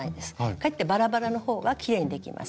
かえってバラバラのほうがきれいにできます。